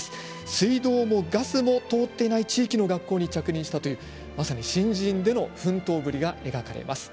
水道もガスも通っていない地域の学校に着任したというまさに新人の奮闘ぶりが描かれています。